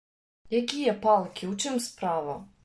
Якія палкі, у чым справа?